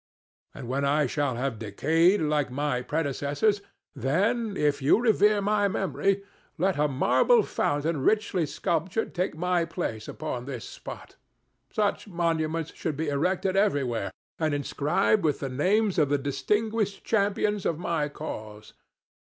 And when I shall have decayed like my predecessors, then, if you revere my memory, let a marble fountain richly sculptured take my place upon this spot. Such monuments should be erected everywhere and inscribed with the names of the distinguished champions of my cause.